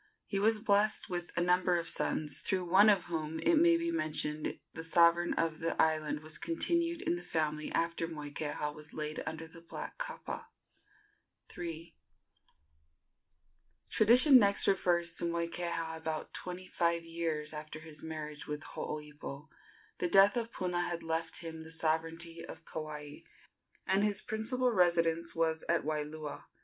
He was blessed with a number of sons, through one of whom, it may be mentioned, the sovereignty of the island was continued in the family after Moikeha was laid under the black kapa. III. Tradition next refers to Moikeha about twenty five years after his marriage with Hooipo. The death of Puna had left him the sovereignty of Kauai, and his principal residence was at Waialua.